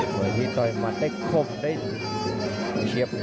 โดยที่ต่อยหมันได้คมได้เขียบความ